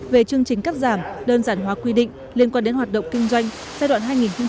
về chương trình cắt giảm đơn giản hóa quy định liên quan đến hoạt động kinh doanh giai đoạn hai nghìn hai mươi hai nghìn hai mươi năm